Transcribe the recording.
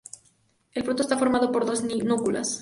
El fruto está formado por dos núculas.